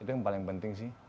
itu yang paling penting sih